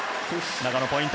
永野、ポイント。